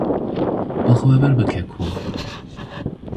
Bixweber bike kom.